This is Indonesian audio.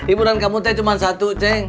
hiburan kamu teh cuma satu ceng